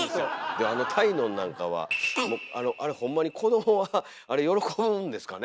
であの鯛のんなんかはあれホンマに子どもはあれ喜ぶんですかね？